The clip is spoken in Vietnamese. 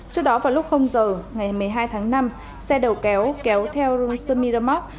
trước đó vào lúc giờ ngày một mươi hai tháng năm xe đầu kéo kéo theo rung sơ miramoc